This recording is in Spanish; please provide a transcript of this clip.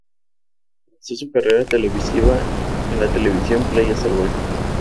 Comenzó su carrera televisiva en la teleserie "Playa Salvaje".